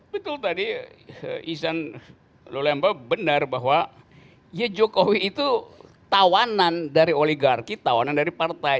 betul tadi izan lulemba benar bahwa ya jokowi itu tawanan dari oligarki tawanan dari partai